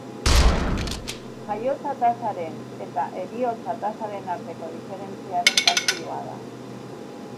Jaiotza-tasaren eta heriotza-tasaren arteko diferentziaren kalkulua da.